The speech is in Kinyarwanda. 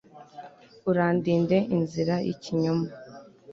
urandinde inzira y'ikinyoma